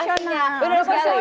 terima kasih sekali